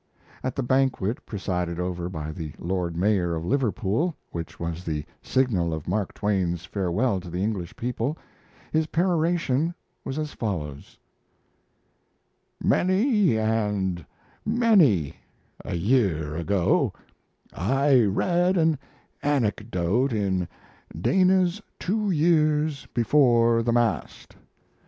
At the banquet presided over by the Lord Mayor of Liverpool, which was the signal of Mark Twain's farewell to the English people, his peroration was as follows: "Many and many a year ago I read an anecdote in Dana's Two Years Before the Mast.